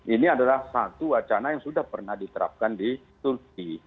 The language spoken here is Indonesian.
ini adalah satu wacana yang sudah pernah diterapkan di turki